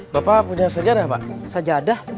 bapak punya sejarah pak sajadah